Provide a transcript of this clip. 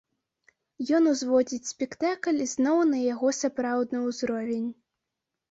Ён узводзіць спектакль зноў на яго сапраўдны ўзровень.